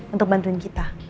untuk bantuin kita